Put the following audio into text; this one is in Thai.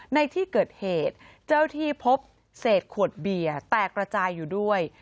ในที่เกิดเหตุเจ้าที่พบเศษขวดเบียร์แตกระจายอยู่ด้วย